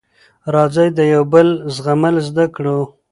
راځی د یوبل زغمل زده کړو